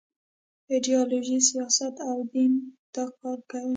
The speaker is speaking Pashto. ایډیالوژي، سیاست او دین دا کار کوي.